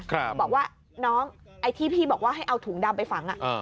บอกว่าน้องไอ้ที่พี่บอกว่าให้เอาถุงดำไปฝัง